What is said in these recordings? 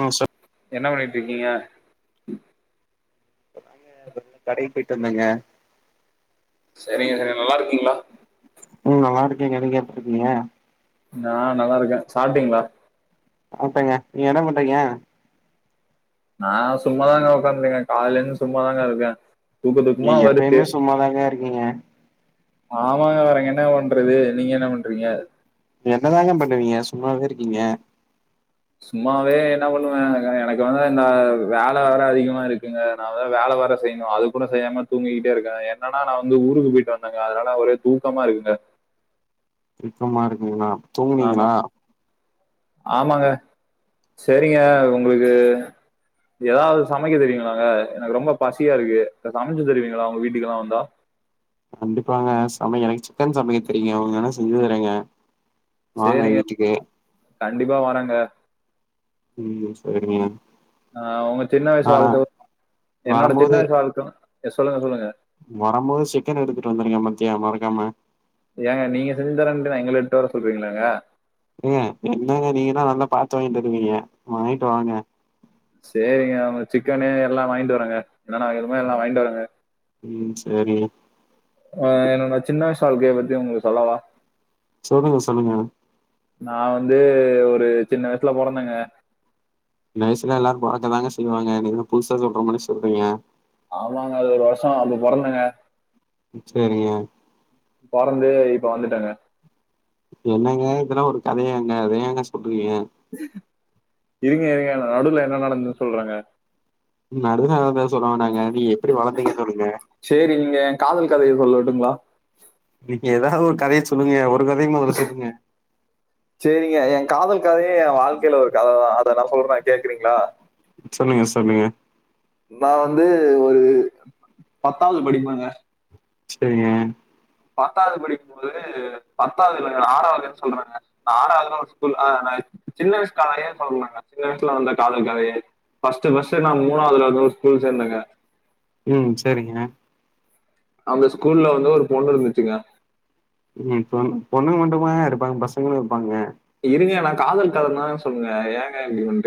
ஆ சொ என்ன பண்ணிட்ருக்கீங்க இப்ப கடைக்கு பொயிட்டு வந்தங்க செரிங்க செரி நல்லா இருக்கீங்ளா ம் நல்லா இருக்கேங்க நீங்க எப்டி இருக்கீங்க நா நல்லா இருக்கே சாப்ட்டீங்ளா சாப்ட்டங்க நீங்க என்ன பண்றீங்க நா சும்மா தாங்க உக்காந்துகே கால்ல இருந்து சும்மா தாங்க இருக்கே தூக்க தூக்கமா நீங்க வருது எப்பயுமே சும்மாதாங்க இருக்கீங்க ஆமாங்க வேற இங்க என்ன பண்றது நீங்க என்ன பண்றீங்க என்னதாங்க பண்ணுவீங்க சும்மாவே இருக்கீங்க சும்மாவே என்ன பண்ணுவே எ எனக்கு வந்து இந்த வேல வேற அதிகமா இருக்குங்க நா வேற வேல வேற செய்யணு அது கூட செய்யாம தூங்கி கிட்டே இருக்கே என்னனா நா வந்து ஊருக்கு பொயிட்டு வந்தங்க அதுனால ஒரு தூக்கமா இருக்குங்க தூக்கமா இருக்குங்களா ஆமா ஆமாங்க சேரிங்க உங்களுக்கு ஏதாவது சமைக்க தெரியுங்களாங்க எனக்கு ரொம்ப பசியா இருக்கு சமச்சு தருவீங்களா உங்க வீட்டுக்கெல்லாம் வந்தா கண்டிப்பாங்க சமைய எனக்கு சிக்கன் சமைக்க தெரியங்க உங்க என்னா செஞ்சு தரங்க வாங்க சரிங்க வீட்டுக்கு கண்டிப்பா வறங்க ம் சேரிங்க ஆ உங்க சின்ன வயசு வாழ்க்கை என்னோட சின்ன வரம்போது வயசு வாழ்க்கை சொல்லுங்க சொல்லுங்க வரும்போது சிக்கன் எடுத்துட்டு வந்துருங்க மத்தியா மறக்காம ஏங்க நீங்க செஞ்சி தரேன்ட்டு எங்கள எடுத்துட்டு வர சொல்றீங்களாங்க ஏங்க என்னங்க நீங்க தான் நல்லா பார்த்த வாங்கி தருவீங்க வாங்கிட்டு வாங்க சேரிங்க அவங்க சிக்கனுே எல்லாம் வாங்கிட்டு வரங்க என்னன்னா எதுமே எல்லாம் வாங்கிட்டு வரங்க ம் சேரிங்க ஆ என்னோட சின்ன வயசு வாழ்கையை பத்தி உங்களுக்கு சொல்லவா சொல்லுங்க சொல்லுங்க நான் வந்து ஒரு சின்ன வயசுல போறந்தேங்க இந்த வயசுல எல்லாரும் பொறக்க தாங்க செய்வாங்க நீ புதுசா சொல்றோ மாரி சொல்றீங்க ஆமாங்க அது ஒரு வருஷம் அப்ப பொறந்தங்க சேரிங்க பொறந்து இப்ப வந்துட்டாங்க என்னங்க இதெல்லாம் ஒரு கதைய ஏங்க அதை ஏங்க சொல்றீங்க இருங்க இருங்க நடுல என்ன நடந்துன்னு சொல்றேங்க நடுல நடந்த த சொல்லுவோன்ங்க நீ எப்படி வளர்ந்தீங்கன்னு சொல்லுங்க செரி நீங்க என் காதல் கதையை சொல்லட்டுங்களா நீங்க ஏதாவது ஒரு கதைய சொல்லுங்க ஒரு கதைய முதல்ல சொல்லுங்க சேரிங்க என் காதல் கதையும் என் வாழ்க்கையில ஒரு கதை தான் அத நான் சொல்றேன் கேக்குறீங்களா சொல்லுங்க சொல்லுங்க நான் வந்து ஒரு பத்தாவது படிப்பேங்க சேரிங்க பத்தாவது படிக்கும் போது பத்தாவதுல்ல ஆறாவதுன்னு சொல்றேங்க நா ஆறாவது ஒரு ஸ்கூல் ஆ ந என் சின்ன வயசுல கதயே சொல்லாங்க சின்ன வயசுல வந்த காதல் கதையே ஃபஸ்ட் ஃபஸ்ட் நா மூாவது ஸ்கூல் சேர்ந்தங்க ம் சேரிங்க அந்த ஸ்கூல்ல வந்து ஒரு பொண்ணு இருந்துச்சுங்க பொ பொண்ணுங்க மட்டுமா இருப்பாங்க பசங்களும் இருப்பாங்க இருங்க நான் காதல் கத தான் சொல்லுங்க ஏங்க இப்டி வந்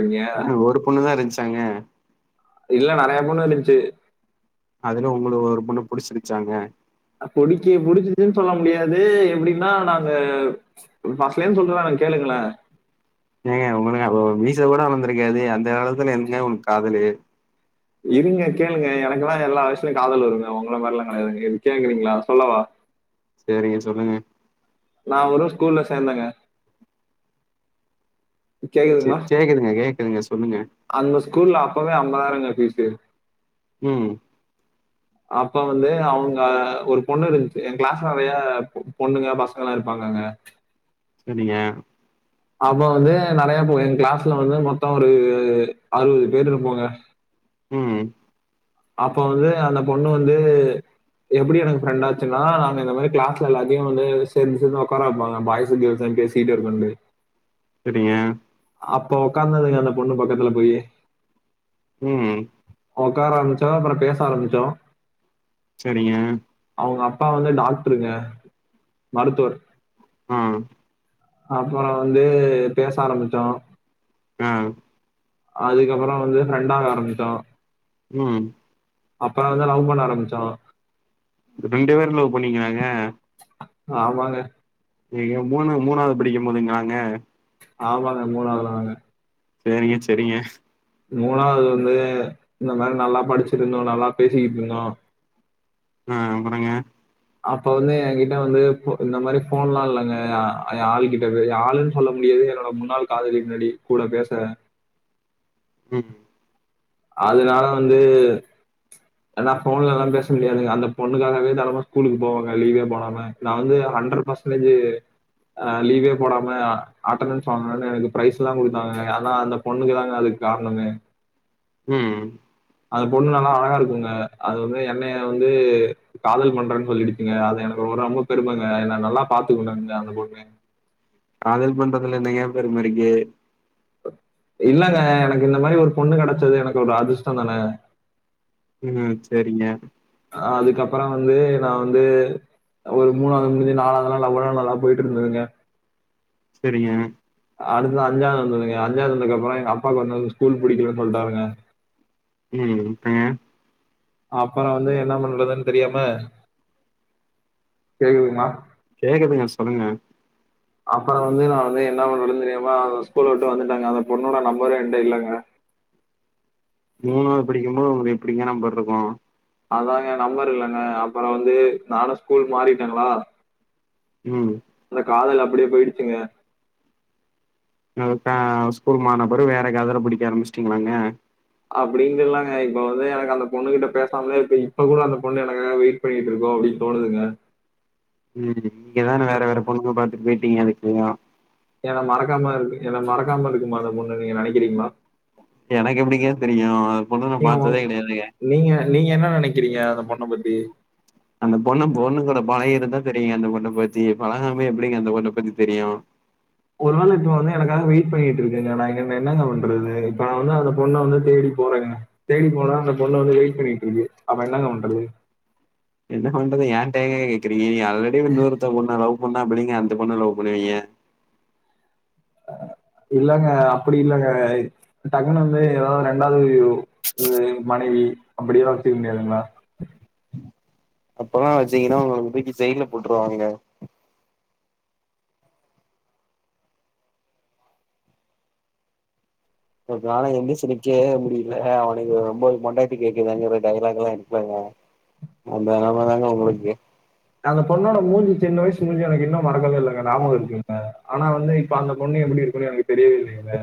ஒரு பொண்ணு தான் இருந்துச்சாங்க இல்ல நெறைய பொண்ணு இருந்துச்சு அதுல உங்களுக்கு ஒரு பொண்ணு புடிச்சிருச்சாங்க புடிக்கி புடிச்சதுன்னு சொல்ல முடியாது எப்டின்னா நாங்க ஃபசலென்னு சொல்றன் கேளுங்களன் ஏங்க உங்களுக்கு அப்ப மிசை கூட வளர்ந்திருக்காது அந்த காலத்துல என்னங்க உங்களுக்கு காதலு இருங்க கேளுங்க எனக்கேல்லாம் எல்லா வயலயையும் காதல வருங்க உங்கள மாரில்லா கடையாதுங்கது கேக்குறீங்களா சொல்லவா சேரிங்க சொல்லுங்க நான் ஓரு ஸ்கூல்ல சேர்ந்தேங்க கேக்குதுங்களா கேக்குதுங்க கேக்குதுங்க சொல்லுங்க அந்த ஸ்கூல்ல அப்பவே ஐம்பதாயிரங்க ஃபீஸு ம் அப்ப வந்து அவங்க ஒரு பொண்ணு இருந்துச்சு எ கிளாஸ்ல நெறைய பொண்ணுங்க பசங்கல்லா இருப்பாங்கங்க சரிங்க அப்ப வந்து நெறைய போ எங்க கிளாஸ்ல வந்து மொத்த ஒரு அறுபது பேர் இருப்போங்க ம் அப்போ வந்து அந்த பொண்ணு வந்து எப்டி எனக் ஃப்ரெண்ட் ஆச்சுன்னா நாங்க இந்த மாரி கிளாஸ் எல்லாத்தையு வந்து சேர்ந்து சேர்ந்து உக்கார‌‌வைப்பாங்க பாய்ஸ் கேள்ஸ்னு பேசீட்டு இருக்கண்டு சரிங்க அப்ப உட்காந்ததுங்க அந்த பொண்ணு பக்கத்துல போயி ம் உக்கார ஆரம்பிச்சோ அப்றோ பேச ஆரம்பிச்சோ சரிங்க அவங்க அப்பா வந்து டாக்ருங்க மருத்துவர் ம் அப்பறோ வந்து பேச ஆரம்பிச்சோ ம் அதுக்கப்பறோ வந்து ஃப்ரெண்டாக ஆரம்பிச்சோ ம் அப்பறோ வந்து லவ் பண்ண ஆரம்பிச்சோ ரெண்டு பேரு லவ் பண்ணீங்களாங்க ஆமாங்க நீ மூணு மூணாவது படிக்கும் போதுங்களாங்க ஆமாங்க மூணாவது தாங்க சேரிங்க சேரிங்க மூணாவது லர்ந்து இந்த மாரி நல்லா படிச்சிட்ருந்தோ நல்லா பேசிட் இருந்தோ ம் அப்றங்க அப்ப வந்து ஏ கிட்ட வந்து இந்த மாரி ஃபோன்லா இல்லங்க ஆள்கிட்ட ஆளுன் னு சொல்ல முடியாது என்னோட முன்னாள் காதலி பின்னாடி கூட பேச ம் அதுனால வந்து அதா போன்லல்லா பேச முடியாதுங் அந்த பொண்ணுக்காகவே தெனமு ஸ்கூலுக்கு போவங்க லீவே போடாம நா வந்து ஹண்டரட் பர்சன்டேஜூ அ லீவே போடாம அட்டணன்ஸ் வாங்னனு எனக் பிரைஸ்ல்லா குடுத்தாங்க ஆனா அந்த பொண்ணுங் தாங்க அதுக் காரணமே ம் ம் அது பொண்ணு நல்லா அழகா இருக்குங்க அது வந்து எண்ணெய வந்து காதல் பண்றேன்னு சொல்லிடுச்சுங்க அது எனக்கு ஒரு ரொம்ப பெருமைங்க என்ன நல்லா பாத்துக்குங்க அந்த அந்த பொண்ணு காதல் பண்றதுல என்னங்க பெருமருக்கு இல்லங்க எனக்கு இந்த மாரி ஒரு பொண்ணு கெடைச்சது எனக் ஒரு அதிஷ்டந்தான ம் சேரிங்க அதுக்கப்றோ வந்து நா வந்து ஒரு மூணாவது முடிஞ்சு நாலாவது நாள் லவ்வளா நல்லா போயிட்டு இருந்ததுங்க சரிங்க அடுத்தது அஞ்சாவது வந்துதுங்க அஞ்சாவது வந்ததுக்ப்றோ எங்கப்பாக்கு வந்து ஸ்கூல் புடிக்கலனு சொல்ட்டாருங்க ம் அப்புற வந்து என்ன பண்றதுன்னு தெரியாம கேக்குது மா கேக்குதுங்க சொல்லுங்க அப்புற வந்து நா வந்து என்ன பண்றதுன்னு தெரியாம அந்த ஸ்கூல விட்டு வந்துட்டேங்க அந்த பொண்ணோட நம்பரு என்ட இல்லங்க மூணாவது படிக்கும்போது உங்களுக்கு எப்டிங்க நம்பர் இருக்கு அதாங்க நம்பர் இல்லங்க அப்றோ வந்து நானு ஸ்கூல் மாறிட்டேங்களா ம் அந்த காதல் அப்டியே போயிடுச்சுங்க அ இப்ப ஸ்கூல் மாற்னபெறகு வேற காதல புடிக்க ஆரம்பிச்சுடிங்களாங்க அப்டின் இல்லங்க இப்ப வந்து எனக்கு அந்த பொண்ணு கிட்ட பேசாமலே இப்ப இப்ப கூட அந்த பொண்ணு எனக்காக வெயிட் பண்ணிட்ருக்கோ அப்டின் தோணுதுங்க ம் இங்க தானே வேற என் வேற பொண்ணுங்க பாத்துட்டு போயிட்டீங்க அதுக்குள்ளேயு என்ன மறக்காம இரு என்ன மறக்காம இருக்குமா அந்த பொண்ணு நீங்க நெனக்கிறீங்களா எனக்கு எப்டிங்க தெரியு அந்த பொண்ண நா நீங்க உங் பாத்ததே கெடயாதுங்க நீங்க நீங்க என்ன நெனக்கிறீங்க அந்த பொண்ண பத்தி அந்த பொண்ண பொண்ணு கூட பழகி இருந்தா தெரியுங்க அந்த பொண்ண பத்தி பழகாமே எப்டிங்க அந்த பொண்ண பத்தி தெரியு ஒரு வேள இப்ப வந்து எனக்காக வெயிட் பண்ணிட்டு இருக்குங்க நா இங்க இருந்து என்னங்க பண்றது இப்ப நா வந்து அந்த பொண்ண வந்து தேடி போறேங்க தேடி போனா அந்த பொண்ணு வந்து வெயிட் பண்ணிட்ருக்கு அப்ப என்னங்க பண்றது என்ன பண்றது ஏன்ட ஏங்க கேக்குறீங்க நீங்க அல்ரெடி இன்னோருத்த பொண்ண லவ் பண்ணா எப்டிங்க அந்த பொண்ண லவ் பண்ணுவீங்க இல்லங்க அப்டி இல்லங்க டக்குனு வந்து ஏதாவது ரெண்டாவது மனைவி அப்டி எல்லா வச்சிக்க முடியாதுங்களா அப்பல்லா வச்சுக்கீனா உங்கள துக்கி ஜெயில்ல போட்ருவாங்கங்க ஒர்த நாள எந்துச்சு நிக்கவே முடில அவுனுக்கு ஒம் போது பொண்டாட்டி கேக்குதாங்கிற டைலாக்லா இருக்குலங்க அந்த நெலம தாங்க ஒங்களுக்கு அந்த பொண்ணோட மூஞ்சு சின்ன வயசு மூஞ்சி எனக்கு இன்னோ மறக்கவே இல்லங்க நாபகோ இருக்குங்க ஆனா வந்து இப்ப அந்த பொண்ணு எப்டி இருக்குனு எனக்கு தெரியவே இல்லைங்க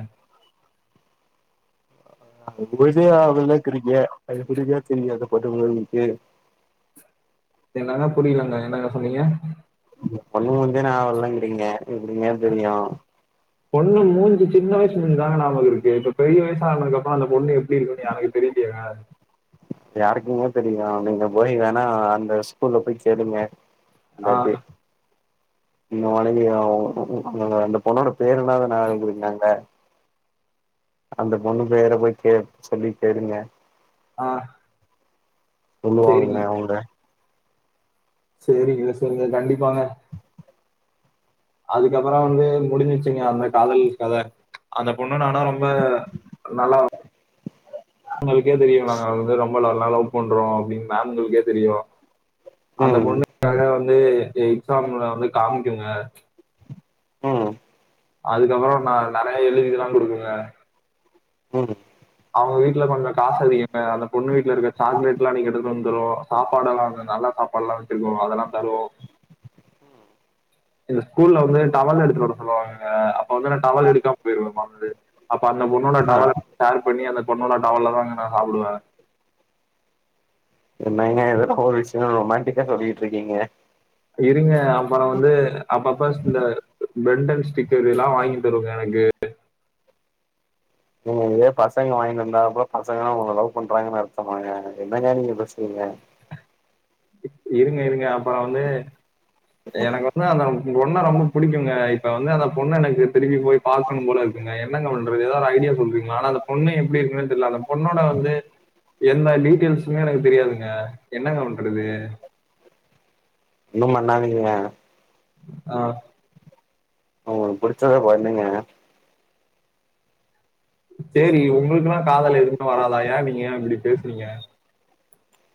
அ அத போய்ட்டு ஆவலாக்கிரீங்க அதப்புடிங்க தெரியாத போய்டு ஒங்களுக்கு என்னங்க புரிலங்க என்னங்க சொன்னீங்க பொண்ணு முஞ்சே நாவ இல்லங்கிறிங்க எப்டிங்க தெரியு பொண்ணு மூஞ்சி சின்ன வயசுல இந்து தாங்க நாபகோ இருக்கு இப்ப பெரிய வயசு ஆனதுக்கு அப்றோ அந்த பொண்ணு எப்டி இருக்குன்னு எனக்கு தெரியலையேங்க யாருக்குங்க தெரியு நீங்க போய் வேணா அந்த ஸ்கூல்ல போய் கேளுங்க ஆ, இந்தாட்டி நீங்க வணங்கி தா ஆகணு [unintelligible] பொண்ணோட பேருன்னாது [unintelligible] இருக்காங்க அந்த பொண்ண பேர போய் கே சொல்லி தேடுங்க ஆ சொல்லுவாங்க சரிங்க. அவுங்க சேரிங்க சேரிங்க கண்டிப்பாங்க அதுக்கப்பறோ வந்து முடிஞ்சுருச்சுங்க அந்த காதல் கத அந்த பொண்ணு நானு ரொம்ப நல்லா உங்களுக்கே தெரியு நாங்க வந்து ரொம்ப நாளா லவ் பண்றோ அப்டின் மேம்களுக்கே தெரியு அந்த ம் பொண்ணுகாக வந்து எ எக்ஸாம்ல வந்து காமிக்குங்க ம் அதுக்கப்றோ ந நெறையா எழுதில்லா குடுக்குங்க ம் அவுங்க வீட்ல கொஞ்சோ காசு அதிகங்க அந்த பொண்ணு வீட்டுலயிருக்க சாக்லேட்லா அன்னைக் எடுத்வந் தரு சாப்பாடெல்லா அங்க நல்லா சாப்பாட்லா வெச்சிருக்கு அதெல்லா தரு இந்த ஸ்கூல்ல வந்து டவல் எடுத்துட்டு வர சொல்லுவாங்கங்க அப்ப வந்து நா டவல் எடுக்காம போயிருவே மறந்து அப்ப அந்த பொண்ணோட ஆ டவல ஷேர் பண்ணி அந்த பொண்ணோட டவல்ல தாங்க நா சாப்டுவ என்னங்க இதெல்லா ஒரு விஷியோ ரொமேண்டிக்கா சொல்லிட்ருக்கீங்க இருங்க அப்றோ வந்து அப்பப்ப இந்த பெண்டன் ஸ்டிக்கர் இதலா வாங்கிதருங்க எனக்கு நீங்க இதே பசங்க வாங்கினுவந்தா கூட பசங்களா உங்கள லவ் பண்றாங்கன் அர்த்தமாங்க என்னங்க நீங்க பேசுறீங்க இருங்க இருங்க அப்றோ வந்து எனக்கு வந்து அந்த பொண்ண ரொம்ப புடிக்குங்க இப்ப வந்து அந்த பொண்ண எனக்கு திருப்பி போய் பாக்கணும் போல இருக்குங்க என்னங்க பண்றது ஏதாவது ஒரு ஐடியா சொல்றீங்ளா ஆனா அந்த பொண்ணு எப்டி இருக்குனு தெரில அந்த பொண்ணோட வந்து எந்த டீட்டெயில்ஸூமே எனக்கு தெரியாதுங்க என்னங்க பண்றது ஒன்னும் பண்ணாதீங்க ஆ உங்களுக்கு புடுச்சத பண்ணுங்க சேரி உங்களுக்கெல்லா காதல் எதுமே வராதா ஏ நீங்க ஏ இப்டி பேசுறீங்க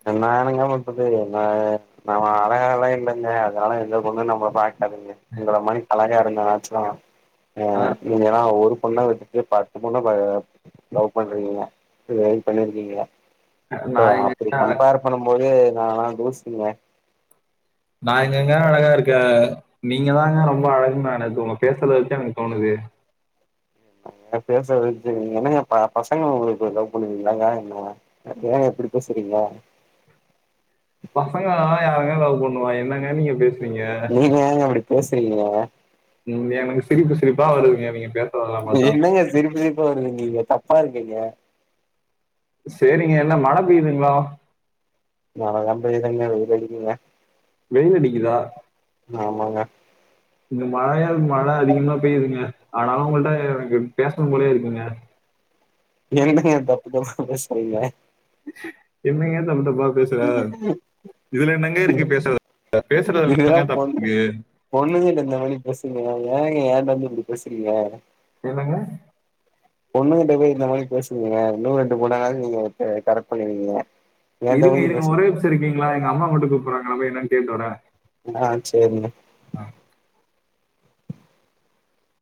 என்னானுங்க லவ் பன்றது என்ன நா அழகலா இல்லங்க அதனால எந்த பொண்ணு நம்ள பா குதுங்க உங்கள மானி அழகா இருந்தனாச்சு அ நீங்களா ஒரு பொண்ண விட்டுட்டு பத்து பொண்ண பா லவ் பண்றீங்க இது வரைக்கு பண்ணிருக்கீங்ளா ஆஹ் ஓ நான் எங்க அப்டி பண்ணும் போது நான் லா தூசிங்க நா எங்கங்க அழகா இருக்கே நீங்க தாங்க ரொம்ப அழகுன் நா நேத்து உங்க பேசுறத வச்சு எனக்கு தோணுது அ பேசறத வச்சு என்னங்க ப்ப பசங்க உங்களுக்கு லவ் பண்ணுவீங்க ஏங்க [unintelligible] ஏங்க இப்டி பேசுறீங்க பசங்களால யாருங்க லவ் பண்ணுவா என்னங்க நீங்க பேசுறீங்க நீங்க ஏங்க அப்டி பேசுறீங்க ம் எனக்கு சிரிப்பு சிரிப்பா வருதுங்க நீங்க பே என்னங்க சிரிப்பு சிரிப்பா வருதுங்ரீங்க தப்பா இருக்குங்க சேரிங்க என்ன மழ பெய்துங்ளா மழலா பெய்லங்க வெயில் அடிக்குதுங்க வெயில் அடிக்குதா ஆமாங்க இங்க மழயா மழ அதிகமா பெய்யுதுங்க ஆனாலு உங்கள்ட்ட எனக்கு பேசணு போலயே இருக்குங்க என்னங்க தப்பு தப்பா பேசரிங்க என்னங்க தப்பு தப்பா பேசுற? [unintelligible] இதுல என்னங்க இருக்கு பேசுறது? பேசுறதுல இதுக்குதா என்னங்க தப்பு பொண்ணு இருக்கு? பொண்ணுங் பேசுங்க ஏங்க ஏன்ட்ட வந்து இப்டி பேசுறீங்க என்னங்க பொண்ணுகட்ட போய் இந்த மாரி பேசுங்கங்க இன்னு ரெண்டு பொண்ணாவாது நீங்க த் கரெக்ட் பண்ணிருவீங்க இருங்க இங்க ஒரே நிம்சோ இருக்கீங்ளா எங்க அம்மா மட்டு கூப்பறாங்க நா போய் என்னன் கேட்டு வரே ஆ சேரிங்க